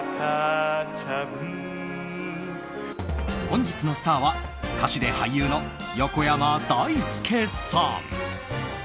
本日のスターは歌手で俳優の横山だいすけさん。